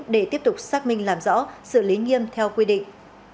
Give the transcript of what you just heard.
để tiếp tục xác minh làm rõ xử lý nghiêm theo quy định